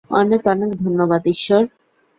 অনেক অনেক ধন্যবাদ, ঈশ্বর।